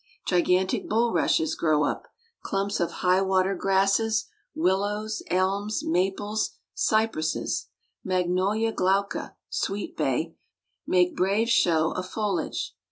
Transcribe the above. Gigantic bulrushes grow up; clumps of high water grasses, willows, elms, maples, cypresses, Magnolia glauca (sweet bay), make brave show of foliage.